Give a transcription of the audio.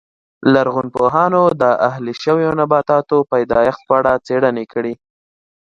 لرغونپوهانو د اهلي شویو نباتاتو پیدایښت په اړه څېړنې کړې